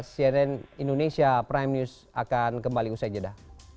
cnn indonesia prime news akan kembali usai jeda